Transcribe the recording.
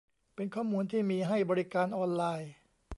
เป็นข้อมูลที่มีให้บริการออนไลน์